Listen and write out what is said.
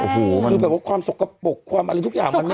โอ้โหคือแบบว่าความสกปรกความอะไรทุกอย่างมันไม่